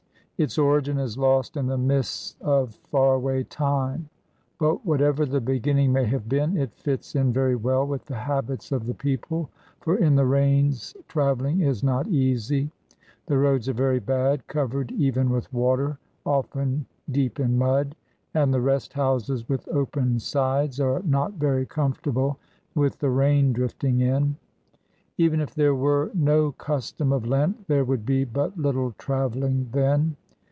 Its origin is lost in the mists of far away time. But whatever the beginning may have been, it fits in very well with the habits of the people; for in the rains travelling is not easy. The roads are very bad, covered even with water, often deep in mud; and the rest houses, with open sides, are not very comfortable with the rain drifting in. Even if there were no custom of Lent, there would be but little travelling then.